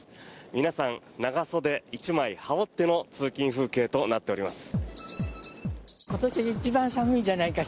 皆さん、長袖１枚羽織っての通勤風景となっています。